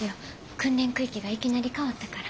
訓練空域がいきなり変わったから。